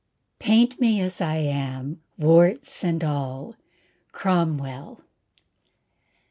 "PAINT ME AS I AM, WARTS AND ALL" Cromwell.